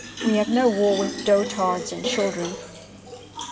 We have no war with dotards and children.